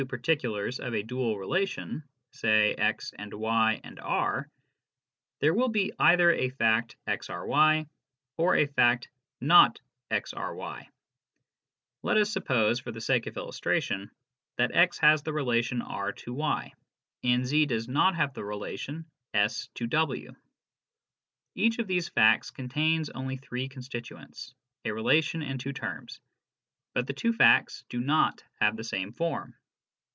particulars of a dual relation, say x and y and K, there will be feither a fact " xEy," or a fact "not xRy" Let us suppose, for the sake of illustration, that x has the relation R to y, and z does not have the relation S to w. Each of these facts ijontains only three constituents, a relation and two terms; but the two facts do not have the same form.